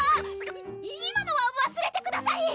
い今のはわすれてください！